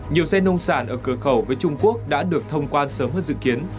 nhiều xe nông sản ở cửa khẩu với trung quốc đã được thông quan sớm hơn dự kiến